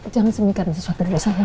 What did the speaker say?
jangan sembihkan sesuatu dari saya